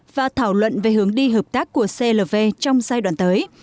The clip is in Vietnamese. và thảo luận về hướng đi hợp tác của clv trong giai đoạn tới